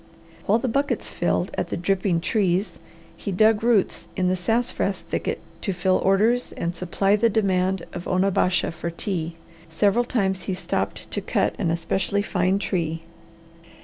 While the buckets filled at the dripping trees, he dug roots in the sassafras thicket to fill orders and supply the demand of Onabasha for tea. Several times he stopped to cut an especially fine tree.